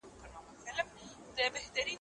ما مخکي د سبا لپاره د سوالونو جواب ورکړی وو!!